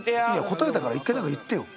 答えたから１回何か言ってよ。